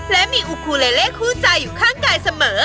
และมีอุคูเลเล่คู่ใจอยู่ข้างกายเสมอ